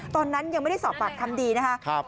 ตอนนั้นยังไม่ได้สอบปากคำดีนะครับ